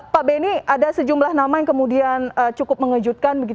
pak beni ada sejumlah nama yang kemudian cukup mengejutkan